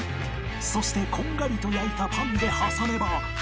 そしてこんがりと焼いたパンで挟めば